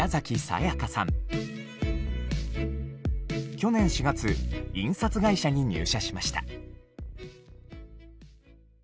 去年４月印刷会社に入社しました。